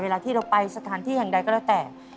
เวลาที่เราไปสถานที่แห่งใดก็แล้วแต่